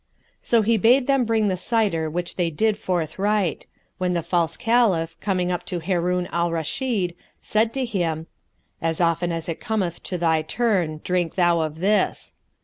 So he bade them bring the cider which they did forthright; when the false Caliph, coming up to Harun al Rashid, said to him, "As often as it cometh to thy turn drink thou of this."